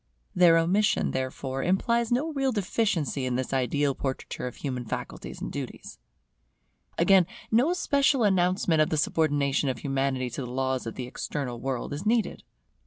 Their omission, therefore, implies no real deficiency in this ideal portraiture of human faculties and duties. Again, no special announcement of the subordination of Humanity to the laws of the External World is needed.